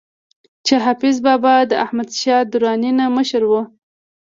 چې حافظ بابا د احمد شاه دراني نه مشر وو